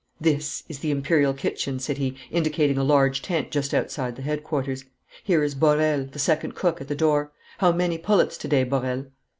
'This is the Imperial kitchen,' said he, indicating a large tent just outside the headquarters. 'Here is Borel, the second cook, at the door. How many pullets to day, Borel?'